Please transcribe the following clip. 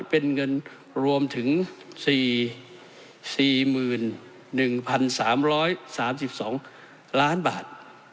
เป็นเงินรวมถึง๔๑๓๓๒ล้านบาท